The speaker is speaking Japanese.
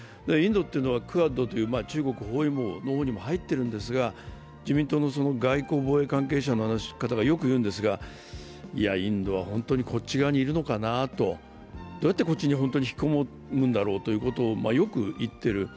インドっていうのはクアッドという中国包囲網にも入っていますが自民党の外交防衛関係者の方がよく言うのですが、インドは本当にこっち側にいるのかなと、どうやって、こっちに本当に引き込むんだろう？ということをよく言っている。